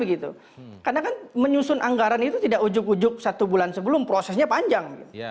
karena kan menyusun anggaran itu tidak ujuk ujuk satu bulan sebelum prosesnya panjang